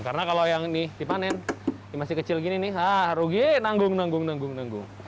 karena kalau yang ini dipanen yang masih kecil gini rugi nanggung nanggung nanggung